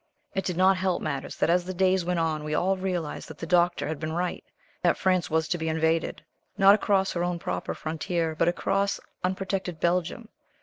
It did not help matters that as the days went on we all realized that the Doctor had been right that France was to be invaded, not across her own proper frontier, but across unprotected Belgium.